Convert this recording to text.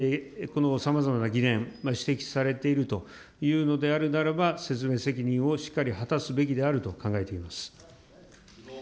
引き続きこのさまざまな疑念、指摘されているというのであるならば、説明責任をしっかり果たすべきであると考えています。